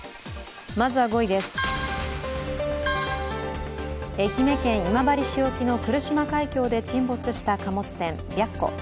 まずは５位です、愛媛県今治市沖の来島海峡で沈没した貨物船「白虎」。